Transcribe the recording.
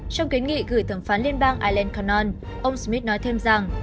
trong kến nghị gửi thẩm phán liên bang allen cannon ông smith nói thêm rằng